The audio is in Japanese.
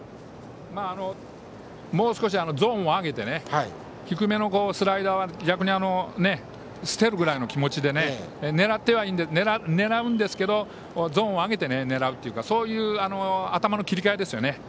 もう少しゾーンを上げて低めのスライダーは逆に捨てるぐらいの気持ちで狙うんですけどゾーンを上げて狙うというかそういう頭の切り替えですよね。